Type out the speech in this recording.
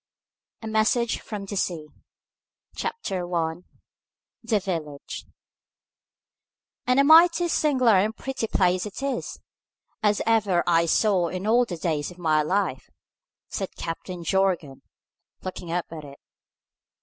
uk A MESSAGE FROM THE SEA CHAPTER I THE VILLAGE "And a mighty sing'lar and pretty place it is, as ever I saw in all the days of my life!" said Captain Jorgan, looking up at it.